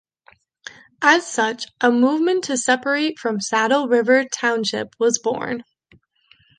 As such, a movement to separate from Saddle River Township was born.